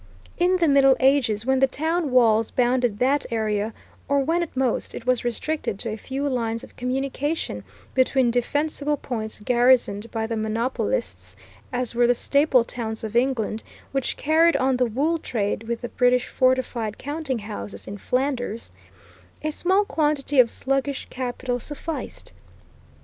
In the Middle Ages, when the town walls bounded that area, or when, at most, it was restricted to a few lines of communication between defensible points garrisoned by the monopolists, as were the Staple towns of England which carried on the wool trade with the British fortified counting houses in Flanders, a small quantity of sluggish capital sufficed.